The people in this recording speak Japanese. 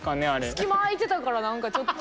隙間空いてたから何かちょっと。